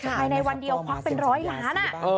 ภายในวันเดียวควักเป็นร้อยล้าน